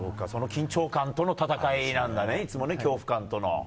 その緊張感との闘いなんだねいつも、恐怖感との。